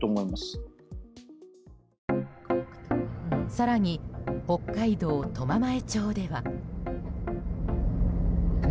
更に、北海道苫前町では。